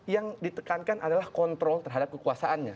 yang ditekankan adalah kontrol terhadap kekuasaannya